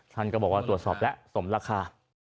ท่านก็บอกว่าตรวจสอบแล้วสมราคา